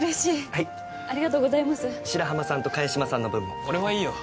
はいありがとうございます白浜さんと萱島さんの分も俺はいいよ